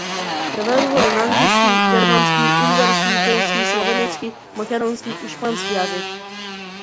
Преведуван е на англиски, германски, унгарски, полски, словенечки, македонски и шпански јазик.